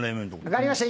分かりました。